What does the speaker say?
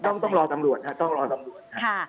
ต้องต้องรอตำหลวงค่ะต้องรอตำหลวงค่ะค่ะ